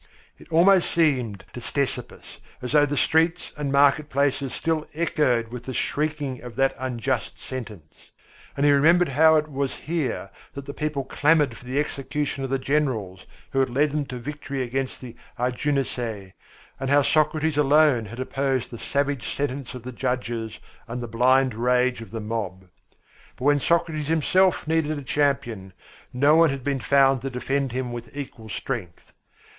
It almost seemed to Ctesippus as though the streets and market places still echoed with the shrieking of that unjust sentence. And he remembered how it was here that the people clamoured for the execution of the generals who had led them to victory against the Argunisæ, and how Socrates alone had opposed the savage sentence of the judges and the blind rage of the mob. But when Socrates himself needed a champion, no one had been found to defend him with equal strength.